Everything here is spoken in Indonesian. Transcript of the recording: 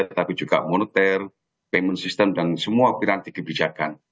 tapi juga moneter payment system dan semua piranti kebijakan